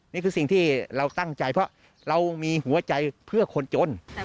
นี่คือสิ่งที่เราตั้งใจเพราะเรามีหัวใจเพื่อคนจน